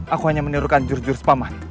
aku hanya menirukan jurus jurus paman